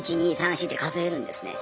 １２３４って数えるんですね。